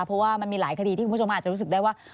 เพราะว่ามันมีหลายคดีที่คุณผู้ชมอาจจะรู้สึกได้ว่า